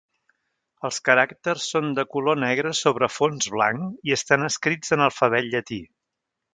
Els caràcters són de color negre sobre fons blanc i estan escrits en alfabet llatí.